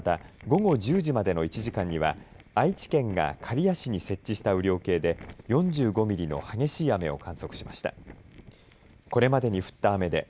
また午後１０時までの１時間には愛知県が刈谷市に設置した雨量計で４５ミリの激しい雨を観測しました。